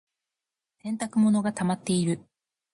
洗濯物がたまっている。